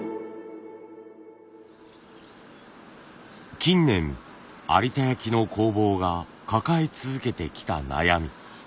近年有田焼の工房が抱え続けてきた悩み。